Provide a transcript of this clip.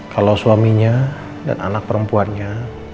kalau suaminya dan anak perempuannya